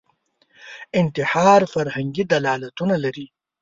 انتحار فرهنګي دلالتونه لري